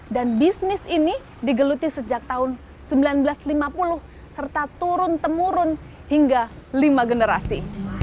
dan bisnis ini digeluti sejak tahun seribu sembilan ratus lima puluh serta turun temurun hingga lima generasi